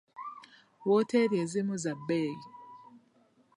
Wooteeri ezimu za bbeeyi.